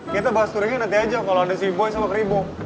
kita bahas touringnya nanti aja kalo ada si boy sama keribu